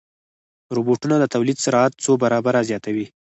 روبوټونه د تولید سرعت څو برابره زیاتوي.